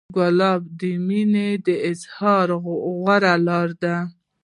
ګلاب د مینې د اظهار غوره لاره ده.